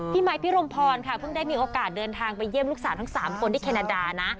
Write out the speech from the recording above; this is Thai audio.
ไมค์พี่รมพรค่ะเพิ่งได้มีโอกาสเดินทางไปเยี่ยมลูกสาวทั้ง๓คนที่แคนาดานะ